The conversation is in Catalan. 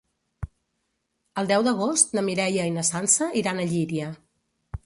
El deu d'agost na Mireia i na Sança iran a Llíria.